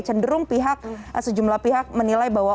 cenderung pihak sejumlah pihak menilai bahwa